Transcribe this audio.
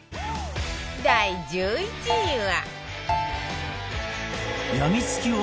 第１１位は